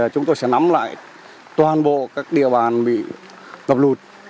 chúng tôi sẽ nắm lại toàn bộ các địa bàn bị ngập lụt